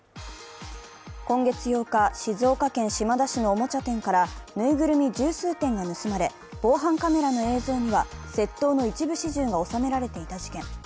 今月８日、静岡県島田市のおもちゃ店からぬいぐるみ十数点が盗まれ、防犯カメラの映像には窃盗の一部始終が収められていた事件。